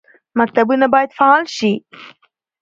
مکتبونه باید فعال شي